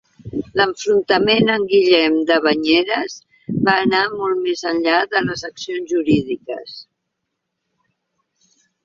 L'enfrontament amb Guillem de Banyeres va anar molt més enllà de les accions jurídiques.